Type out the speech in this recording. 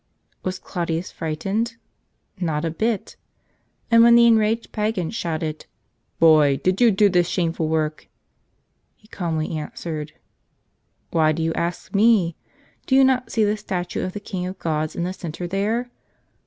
Was Claudius frightened? Not a bit! And when the enraged pagan shouted, "Boy, did you do this shameful work?" he calmly answered: "Why do you ask me? Do you not see the statue of the king of gods in the center there?